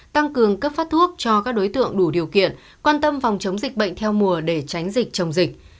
tăng cường cấp phát thuốc cho các đối tượng đủ điều kiện quan tâm phòng chống dịch bệnh theo mùa để tránh dịch chống dịch